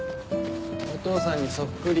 お父さんにそっくり。